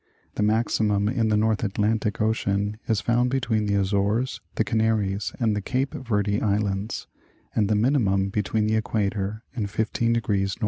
The maximum in the North Atlantic ocean is found between the Azores, the Canaries and the Cape Verde Islands, and the minimum between the equator and 1 5" N.